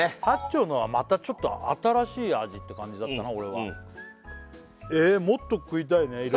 八丁のはまたちょっと新しい味って感じだったな俺はえもっと食いたいね